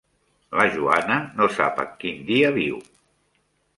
La Joana no sap en quin dia viu.